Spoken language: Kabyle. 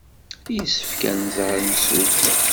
Yessefk ad nẓer imsujji.